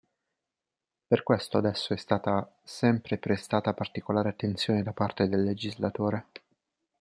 Per questo ad esso è stata sempre prestata particolare attenzione da parte del legislatore.